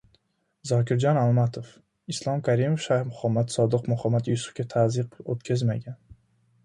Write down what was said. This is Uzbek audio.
Zokirjon Almatov: «Islom Karimov Shayx Muhammad Sodiq Muhammad Yusufga tazyiq o‘tkazmagan»